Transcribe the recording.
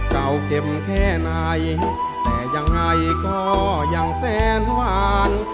เก่าเก็บแค่ไหนแต่ยังไงก็ยังแสนหวาน